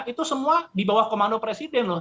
itu semua di bawah komando presiden loh